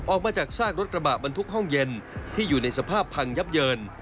ออกมาจากซากรถกระบะบรรทุกห้องเย็นที่อยู่ในสภาพพังยับเยิน